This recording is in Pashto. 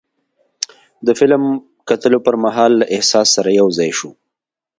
د فلم کتلو پر مهال له احساس سره یو ځای شو.